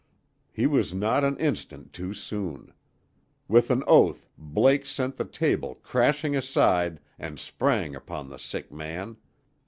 He was not an instant too soon. With an oath Blake sent the table crashing aside and sprang upon the sick man.